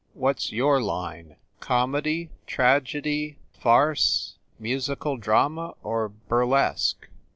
What s your line, comedy, tragedy, farce, musical drama or bur lesque?"